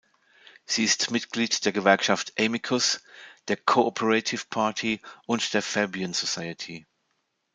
Sie ist Mitglied der Gewerkschaft Amicus, der Co-operative Party und der Fabian Society.